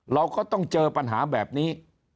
เราก็ต้องเจอปัญหาแบบนี้